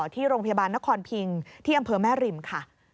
ที่โรงพยาบาลนครพิงที่อำเภอแม่ริมค่ะ